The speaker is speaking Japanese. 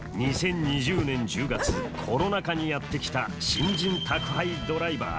２０２０年１０月、コロナ禍にやってきた新人宅配ドライバー。